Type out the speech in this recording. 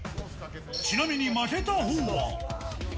ちなみに負けたほうは。